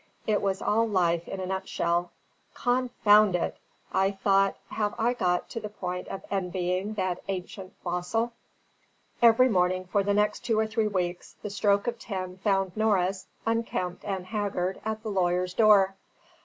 "It was all life in a nut shell. Confound it! I thought, have I got to the point of envying that ancient fossil?" Every morning for the next two or three weeks, the stroke of ten found Norris, unkempt and haggard, at the lawyer's door.